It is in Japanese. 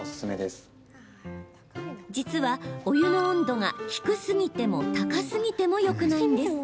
実は、お湯の温度が低すぎても高すぎてもよくないんです。